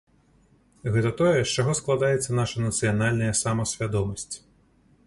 Гэта тое, з чаго складаецца наша нацыянальная самасвядомасць.